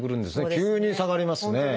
急に下がりますね。